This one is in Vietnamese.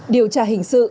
điều trả hình sự